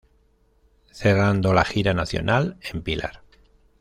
Cerrando la gira nacional en Pilar.